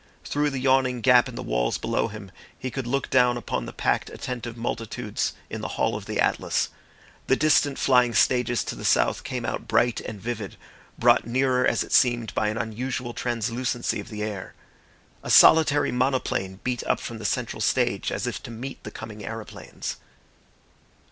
Through the yawning gap in the walls below him he could look down upon the packed attentive multitudes in the Hall of the Atlas. The distant flying stages to the south came out bright and vivid, brought nearer as it seemed by an unusual translucency of the air. A solitary monoplane beat up from the central stage as if to meet the coming aeroplanes.